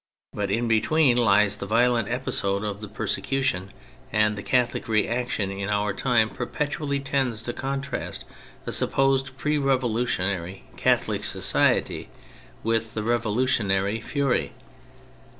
But in between lies the violent episode of the persecution, and the Catholic reaction in our time perpetually tends to contrast a supposed pre revolutionary " Catholic " society with the revolutionary fury.